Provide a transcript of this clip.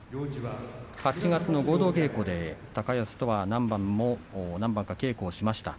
８月の合同稽古で高安とは何番か稽古しました。